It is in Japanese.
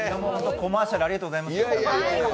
コマーシャルありがとうございました。